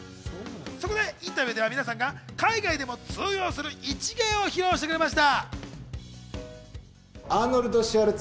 そこでインタビューでは皆さんが海外でも通用する一芸を披露してくれました。